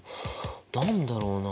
何だろうな？